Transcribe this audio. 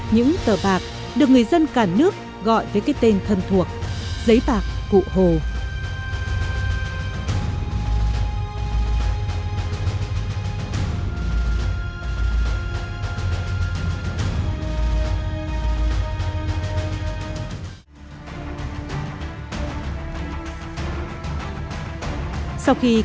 những tờ bạc được người dân cả nước gọi với cái tên thân thuộc giấy bạc cụ hồ